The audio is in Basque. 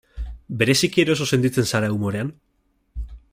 Bereziki eroso sentitzen zara umorean?